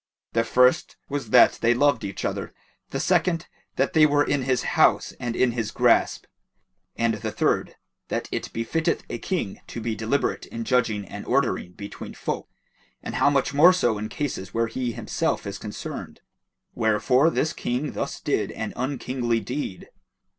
The first was that they loved each other; the second that they were in his house and in his grasp; and the third that it befitteth a King to be deliberate in judging and ordering between folk, and how much more so in cases where he himself is concerned! Wherefore this King thus did an unkingly deed."